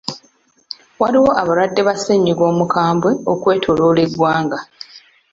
Waliwo abalwadde ba ssennyiga omukambwe okwetooloola eggwanga.